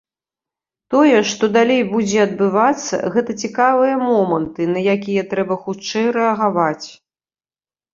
Тое, што далей будзе адбывацца, гэта цікавыя моманты, на якія трэба хутчэй рэагаваць.